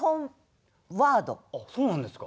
あっそうなんですか？